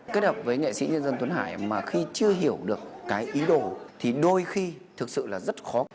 kết hợp với nghệ sĩ nhân dân tuấn hải mà khi chưa hiểu được cái ý đồ thì đôi khi thực sự là rất khó